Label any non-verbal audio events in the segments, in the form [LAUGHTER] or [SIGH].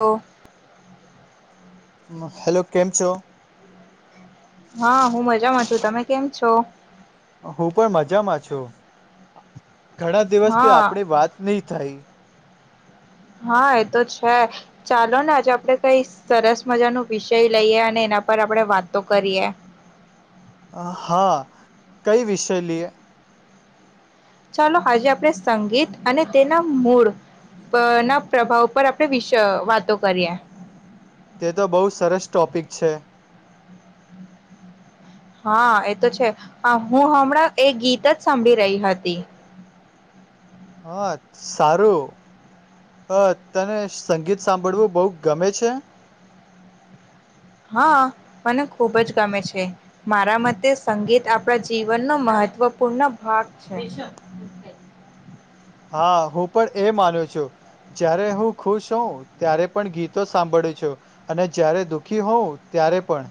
તો હ હેલો કેમ છો હા હું મજામાં છું તમે કેમ છો હું પણ મજામાં છું ઘણા દિવસથી હા આપણે વાત નહી થાય હા એ તો છે ચાલો ને આજે આપડે કઈ સરસ મજા ન વિષય લઈએ અને એના પર આપણે વાતો કરીએ હા કઈ વિષય લીએ ચાલો આજે આપણે સંગીત અને તેના મૂળ ના પ્રભાવ પર આપણે વિ વાતો કરીએ તે તો બહુ સરસ ટોપિક છે હા એ તો છે હું હમણાં એ ગીત જ સાંભળી રહી હતી હા સારું હ તને સંગીત સાંભળવું બહ ગમે છે હા મને ખૂબ જ ગમે છે મારા મતે સંગીત આપણા જીવનનો મહત્વપૂર્ણ ભાગ છે હા હું પણ એ માનું છું જ્યારે હું ખુશ હોઉં ત્યારે પણ ગીતો સાંભળું છું અને જ્યારે દુઃખી હોઉ ત્યારે પણ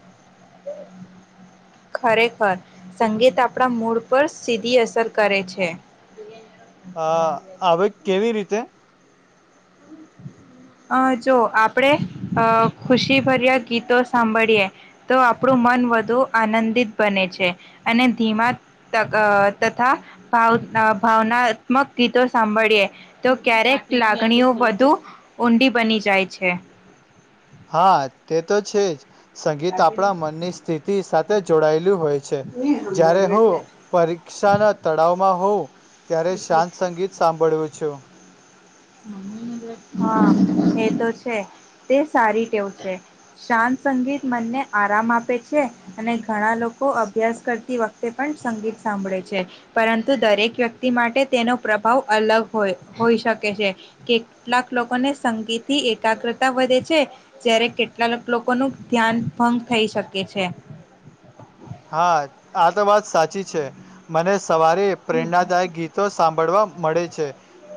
ખરેખર સંગીત આપણા મૂડ પર સીધી અસર કરે છે હા આવે કેવી રીતે અ જો આપણેે અ ખુશીભર્યા ગીતો સાંભળએ તો આપણું મન વધુ આનંદિત બને છે અને ધીમા તથાાવ ભાવનાત્મક ગીતો સાંભળીએ તો ક્યારેક લાગણીઓ તુ ઊંડી બની જાય છે હા તે તો છે જ સંગીત આપણા મનની સ્થિતિ સાથે તે જોડાઈ હોય છે જ્યારે હું પરીક્ષા ના તળાવમાં હોઉ ત્યારે શાંત સંગીત સાંભળું છું હા એ તો છે તે સારી ટેવ છે શાંત સંગીત મનને આરામ આપે છે અને ઘણા લોકો અભ્યાસ કરતી વખતે પણ સંગીત સાંભળે છે પરંતુ દરેક વ્યક્તિ માટે તેનો પ્રભાવ અલગ હોય હોઈ શકે કેટલાક લોકોને સંગીથી એકાગ્રતા વધે છે જ્યારે કેટલાક લોકોનું ધ્યાન ભંગ થઈ શકે છે હા આ તો વાત સાચી છે મને સવારે પ્રેરણાદાયક ગીતો સાંભળવા મળે છે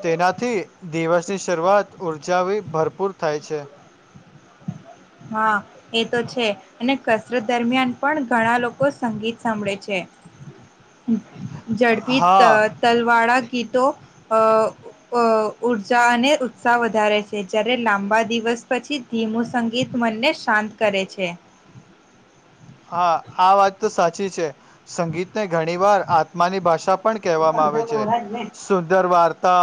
તેનાથી દિવસની શરૂઆત ઉર્જા વી ભરપૂર થાય છે. હા એ તો છે અને કસરત દરમિયાન પણ ઘણા લોકો સંગીત સાંભળે છે. ઝડપી હા તલવાડા કી તો ઉઊર્જા અને ઉત્સાહ વધારે છે જ્યારે લાંબા દિવસ પછી. ધીમું સંગીત મનને શાંત કરે છે. હા આ વાત તો સાચી છે. સંગીત ને ઘણી વાર આત્માની ભાષા પણ કહેવામાં આવે છે સુંદર વાર્તા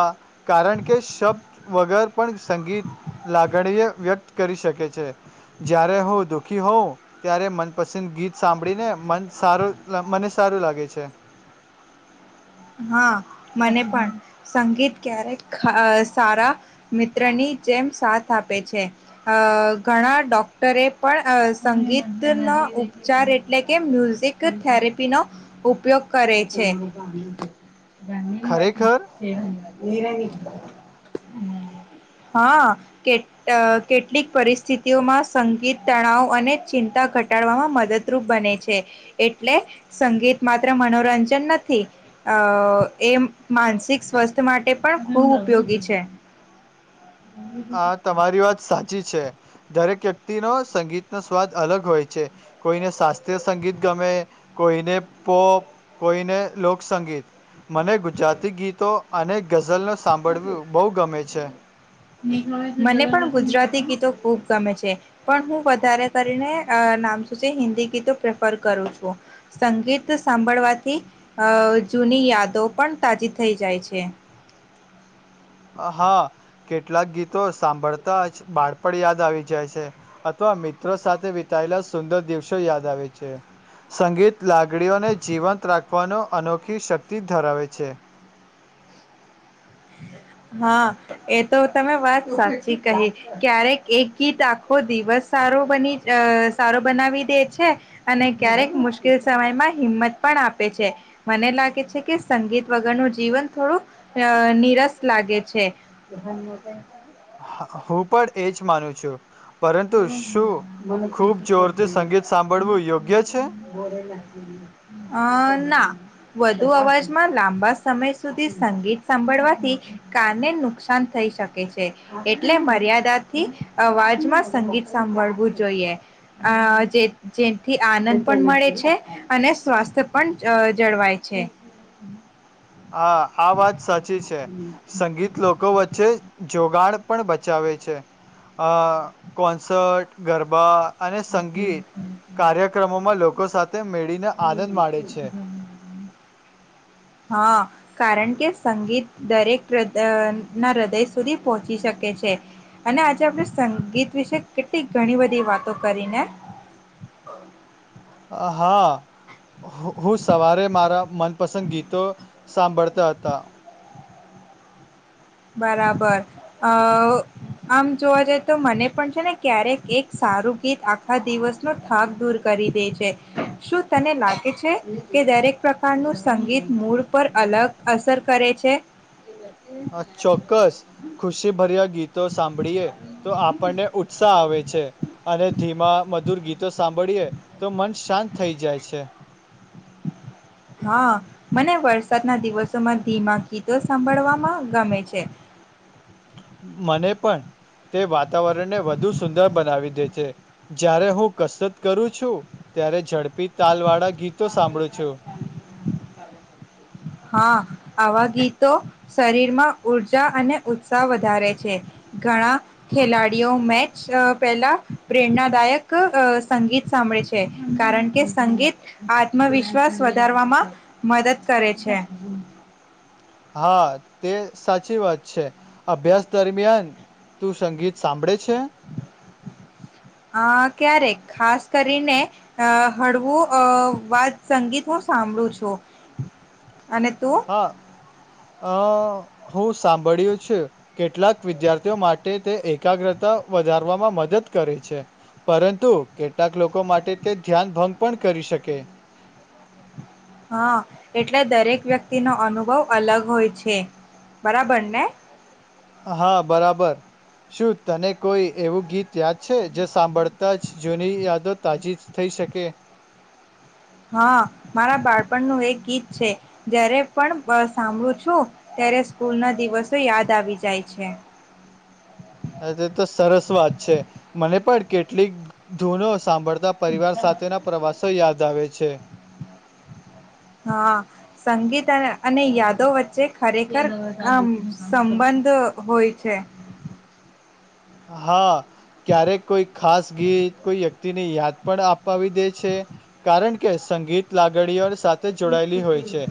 કારણ કે શબ્દ વગર પણ સંગીત લાગણીય વ્યક્ત કરી શકે છે જ્યારે હું દુઃખી હોઉં ત્યારે મન પસિંદ ગીત સાંભળી ને મ સારો મને સારું લાગે છે. હા મને પણ સંગીત ક્યારેક સારા મિત્રની જેમ સાથ આપે છે અ ઘણા ડોક્ટરે પણ સંગીતનો ઉપચાર એટલે કે મ્યુઝિક થેરેપીનો ઉપયોગ કરે છે. ખરેખર [INAUDIBLE] હા કે કેટલીક પરિસ્થિતિઓમાં સંગીત તણાવ અને ચિંતા ઘટાડવામાં મદદરૂપ બને છે એટલે સંગીત માત્ર મનોરંજન નથી અ એ માનસિક સ્વસ્થ માટે પણ બહુ ઉપયોગી છે. હા તમારી વાત સાચી. છે દરેક વ્યક્તિ ન સંગીતનો સ્વાદ અલગ હોય છે કોઈને શાસ્ત્રીય સંગીત ગમે કોઈને પોપ કોઈને લોકસંગીત મને ગુજરાતી ગીતો અને ગઝલનો સાંભળવ્યું બહુ ગમે છે. છે. મને પણ ગુજરાતી ગીતો ખૂબ ગમે છે પણ હું વધારે કરીને નામ છું છે હિન્દી ગીતો પ્રેફર કરું છું સંગીત સાંભળવાથી જૂની યાદો પણ તાજી થઈ જાય છે. હા કેટલાક ગીતો સાંભળતા જ બાળપણ યાદ આવી જાય છે અથવા મિત્રો સાથે વિતાયેલા સુંદર દિવસો યાદ આવે છે સંગીત લાગડીઓને જીવંત રાખવાનો અનોખી શક્તિ ધરાવે છે. હા એ તો તમે વાત સાચી કહી ક્યારેક એક ગીત આખો દિવસ સારો બની સારો બનાવી દે છે અને ક્યારેક મુશ્કેલ સમયમાં હિંમત પણ આપે છે મને લાગે છે કે સંગીત વગરનું જીવન થોડું નિરસ લાગે છે. હ હું પણ એજ માનું છું. પરંતુ શું ખૂબ જોરથી સંગીત સાંભળવું યોગ્ય છે મ અ ના. વધુ અવાજમાં લાંબા સમય સુધી સંગીત સાંભળવાથી કને નુકસાન થઈ શકે છે એટલે મર્યાદાથી અવાજમાં સંગીત સાંભળવું જોઈએ જે જેથી આનંદ પણ મળે છે અને સ્વાસ્થ્ય પણ જળવાય છે. હા આ વાત સાચી છે સંગીત લો લોકો વચ્ચે જોગણ પણ બચાવે છે અ કોન્સર્ટ ગરબા અને સંગીત કાર્યક્રમોમાં લોકો સાત તે મેળીને આનંદ માડે છે. હા કારણ કે સંગીત દરેક હ ના હૃદય સુધી પહોંચી શકે છે અને આજે આપણે સંગીત વિશે કેટલી ઘણી બધી વાતો કરીને. હા હું સવારે મારા મનપસંદ ગીતો સાંભળતા હતા. બરાબર અ આમ જોવા જઈ તો મને પણ છે ને ક્યારેક એક સારું ગીત આખા દિવસનો થાક દૂર કરી દે છે શું તને લાગે છે કે દરેક પ્રકારનું સંગીત મૂડ પર અલગ અસર કરે છે. હા ચોક્કસ, ખુશી ભર્યા. ગીતો સાંભળીએ તો આપણને ઉત્સાહ આવે છે, અને ધીમા, મધુર ગીતો સાંભળીએ તો મન શાંત થઈ જાય છે. હા, મને વરસાદના દિવસોમાં ધીમા ગીતો સાંભળવામાં ગમે છે. મને પણ તે વાતાવરણને વધુ સુંદર બનાવી દે છે, જ્યારે હું કસરત કરું છું ત્યારે ઝડપી તાલવાળા ગીતો સાંભળો છો? હા, આવા ગીતો શરીરમાં ઊર્જા અને ઉત્સાહ વધારે છે. ઘણા ખેલાડીઓ મેચ પહેલા પ્રેરણાદાયક સંગીત સાંભળે છે, કારણ કે સંગીત આત્મવિશ્વાસ વધારવામાં મદદ કરે છે. હ. હા, તે સાચી વાત છે. અભ્યાસ દરમિયાન તું સંગીત સાંભળે છે? આ ક્યારેક ખાસ કરીને અ હળવું અ વાત સંગીત હું સાંભળું છું. અને તું? હા, અ હું સાંભળ્યું છે કેટલાક વિદ્યાર્થીઓ માટે તે એકાગ્રતા વધારવામાં મદદ કરે છે, પરંતુ કેટલાક લોકો માટે તે ધ્યાન ભંગ પણ કરી શકે. હા, એટલે દરેક વ્યક્તિ નો અનુભવ અલગ હોય છે, બરાબર ને? હા, બરાબર. શું તને કોઈ એવું ગીત યાદ છે, જે સાંભળતા જ જૂની યાદો તાજી થઈ શકે? હા, મારા બાળપણનું એક ગીત છે. જ્યારે પણ સાંભળું છું, ત્યારે સ્કૂલ ના દિવસો યાદ આવી જાય છે. હા, તે તો સરસ વાત છે. મને પણ કેટલીક ધૂનો સાંભળતા પરિવાર સાથેના પ્રવાસો યાદ આવે છે. હા સંગીત અને યાદો ખરેખર અ સંબંધ હોય છે. હા. ક્યારેક કોઈ ખાસ ગીત કોઈ વ્યક્તિ ની યાદ પણ અપાવી દે છે, કારણ કે સંગીત લાગણીઓ સાથે જોડાયેલી હોય છે.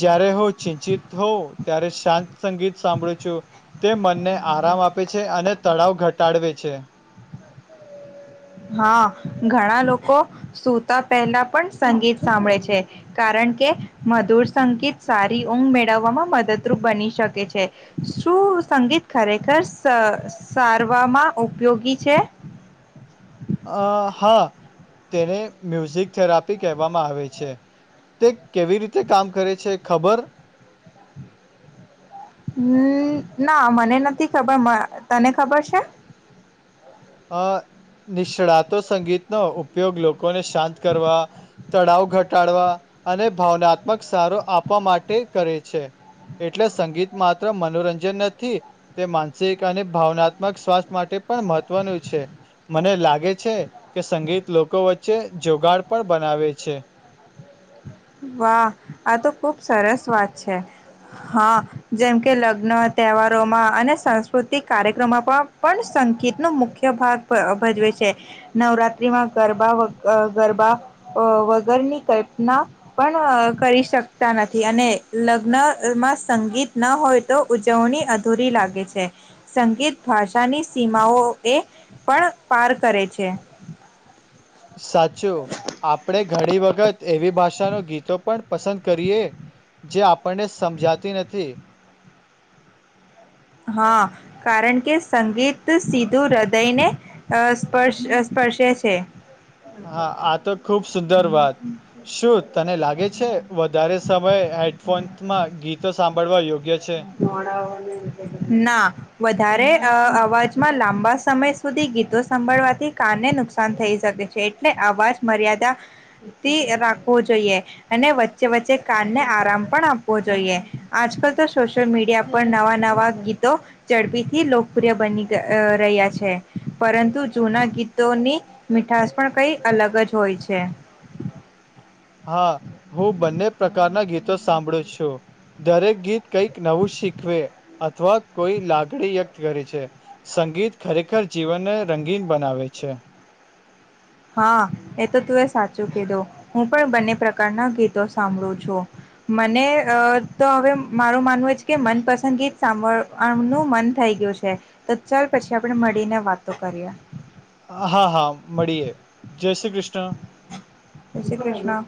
જ્યારે હું ચિંતિત હોઉ ત્યારે શાંત સંગીત સાંભળો છો? તે મને ને આરામ આપે છે અને ઘટાડવે છે. હા, ઘણા લોકો સુતા પહેલા પણ સંગીત સાંભળે છે, કારણ કે મધુર સંગીત સારી ઊંઘ મેળવવામાં મદદરૂપ બની શકે છે. શું સંગીત ખરેખર સારવામાં ઉપયોગી છે? અ હા, તેને મ્યુઝિક થેરાપી કહેવામાં આવે છે. તે કેવી રીતે કામ કરે છે, ખબર? હમ, ના, મને નથી ખબર. તને ખબર છે? અ નિષ્ણાતો સંગીતનો ઉપયોગ લોકો કોને શાંત કરવા તણાવ ઘટાડવા અને ભાવનાત્મક સારો આપવા માટે કરે છે. એટલે સંગીત માત્ર મનોરંજન નથી, તે માનસિક અને ભાવનાત્મક સ્વાસ્થ્ય માટે પણ મહ મહવનું છે. મને લાગે છે કે સંગીત લોકો વચ્ચે જોગાડ પણ બનાવે છે. વાહ, આ તો ખુબ સરસ વાત છે. હા, જેમ કે લગ્ન, તહેવારોમાં અને સાંસ્કૃતિક કાર્યક્રમોમાં પણ સંગીતનો મુખ્ય ભાગ ભજવે છે. નવરાત્રીમાં ગરબા ગરબા વગરની કલ્પના પણ કરી શકતા નથી. અને લગ્નમાં સંગીત ના હોય તો ઉજવણી અધૂરી લાગે છે. સંગીત ભાષાની સીમાઓ એ પણ પાર કરે છે. સાચું, આપડે ઘણી વખત એવી ભાષા ચાલો, ગીતો પણ પસંદ કરીએ જે આપણને સમજાતી નથી. હા, કારણ કે સંગીત સીધું હૃદયને સ્પર્શ સ્પર્શે છે. હા, આ તો ખુબ સુંદર વાત શું તને લાગે છે. વધારે સમયે હેડફોનમાં ગીતો સાંભળવા યોગ્ય છે. નોડ ના વધારે અવાજમાં લાંબા સમય સુધી ગીતો સાભળવાથી કાનને નુકસાન થઈ શકે છે એટલે અવાજ મર્યાદાથી રાખવો જોઈએ અને વચ્ચે વચ્ચે કાનને આરામ પણ આપવો જોઈએ આજકાલ તો સોશિયલ મીડિયા પર નવા નવા ગીતો ઝડપીથી લોકપ્રિય બની રહ્યા છે પરંતુ જૂના ગીતોની મીઠશ પણ કઈ અલગ જ હોય છે હા હું બંને પ્રકારના ગીતો સાંભળું છું દરેક ગીત કઈક નવું શીખવે અથવા કોઈ લાગણી વ્યક્ત કરે છે સંગીત ખરેખર જીવનને રંગીન બનાવે છે હા એ તો તું એ સાચું કીધું હું પણ બંને પ્રકારના ગીતો સાંભળું છું મને તો હવે મારું માનવું જ કે મનપસંદ ગીત સાંભળવાનું મન થઈ ગયું છે તો ચાલ પછી આપણે મળીને વાતો કરીએ હા હા મળીએ જય શ્રી કૃષ્ણ જય શ્રી કૃષ્ણ